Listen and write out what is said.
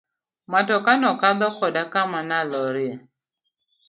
Matoka no kadho koda kama na lorie.